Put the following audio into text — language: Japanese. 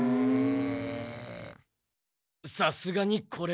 さすがにこれは。